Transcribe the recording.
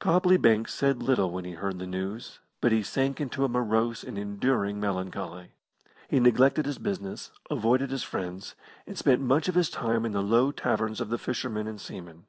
Copley Banks said little when he heard the news, but he sank into a morose and enduring melancholy. He neglected his business, avoided his friends, and spent much of his time in the low taverns of the fishermen and seamen.